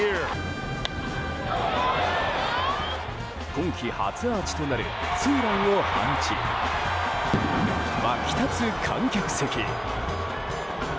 今季初アーチとなるツーランを放ち沸き立つ観客席。